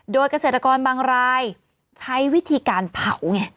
โดยเกษตรกรบางรายใช้วิธีการเผาไง